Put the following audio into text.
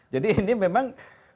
jadi ini memang